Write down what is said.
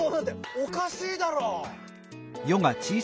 おかしいだろ！」。